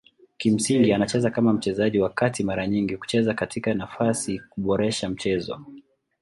Kimsingi anacheza kama mchezaji wa kati mara nyingi kucheza katika nafasi kuboresha mchezo.